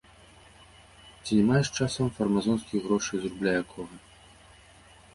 Ці не маеш часам фармазонскіх грошай з рубля якога?